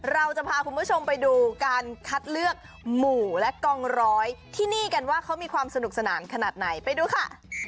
เราจะพาคุณผู้ชมไปดูการคัดเลือกหมู่และกองร้อยที่นี่กันว่าเขามีความสนุกสนานขนาดไหนไปดูค่ะ